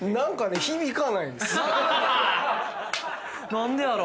何でやろ？